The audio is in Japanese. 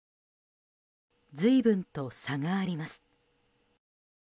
随分と差があります。